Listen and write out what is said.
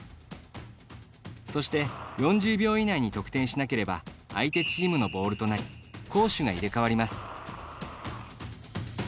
そして４０秒以内に得点しなければ相手チームのボールとなり攻守が入れ替わります。